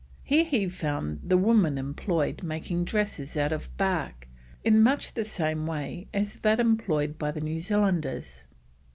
Here he found the women employed making dresses out of bark in much the same way as that employed by the New Zealanders.